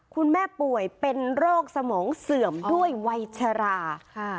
คุณแม่ป่วยเป็นโรคสมองเสื่อมด้วยวัยชราค่ะ